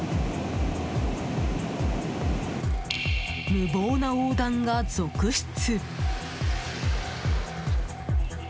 無謀な横断が続出。